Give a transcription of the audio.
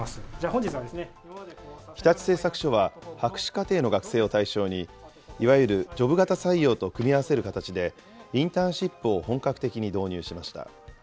日立製作所は、博士課程の学生を対象に、いわゆるジョブ型採用と組み合わせる形で、インターンシップを本格的に導入しました。